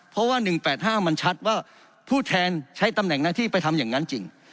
เพราะว่า๑๘๕มันชัดว่าผู้แทนใช้ตำแหน่งหน้าที่ไปทำอย่างนั้นจริง